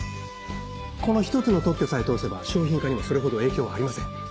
この一つの特許さえ通せば商品化にもそれほど影響はありません